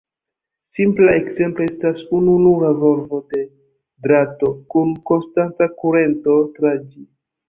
Simpla ekzemplo estas ununura volvo de drato kun konstanta kurento tra ĝi.